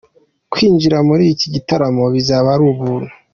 Kwinjira muri iki gitaramo bizaba ari ubuntu.